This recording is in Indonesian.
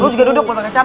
lo juga duduk botol kecap